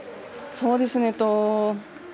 そうですね。